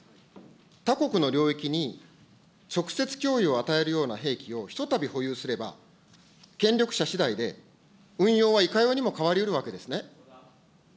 他国の領域に直接脅威を与えるような兵器をひとたび保有すれば、権力者しだいで、運用はいかようにも変わりうるわけですね。